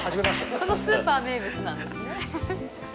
このスーパー名物なんですね。